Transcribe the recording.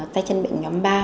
tay chân miệng nhóm ba